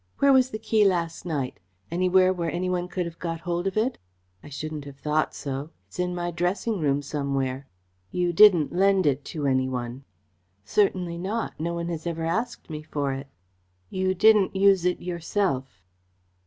"Where was the key last night? Anywhere where any one could have got hold of it?" "I shouldn't have thought so. It's in my dressing room somewhere." "You didn't lend it to any one?" "Certainly not. No one has ever asked me for it." "You didn't use it yourself?"